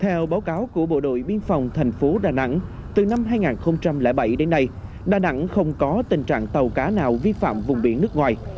theo báo cáo của bộ đội biên phòng thành phố đà nẵng từ năm hai nghìn bảy đến nay đà nẵng không có tình trạng tàu cá nào vi phạm vùng biển nước ngoài